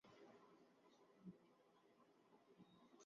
তার পরেও আপনি মিথ্যা করে বললেন, আপনি কখনো আমার নাম শোনেন নি?